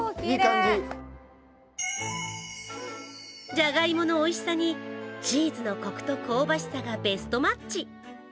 じゃがいものおいしさに、チーズのコクと香ばしさがベストマッチ。